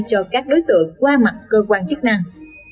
cho các đối tượng qua mặt cơ quan chức năng